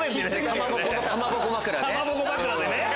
かまぼこ枕でね！